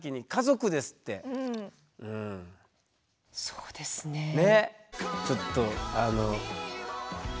そうですね。